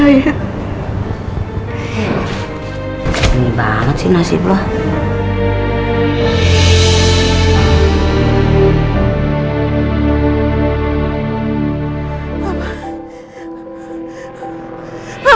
ya enggak percaya